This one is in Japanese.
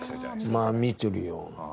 まあ見てるよ。